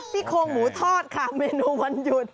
ซี่โครงหมูทอดค่ะเมนูวันหยุด